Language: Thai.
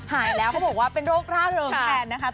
หายแล้วเขาบอกว่าเป็นโรคร่าเริงแทนนะคะ